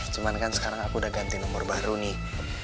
cuman kan sekarang aku udah ganti nomor baru nih